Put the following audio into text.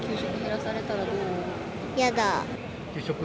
やだ。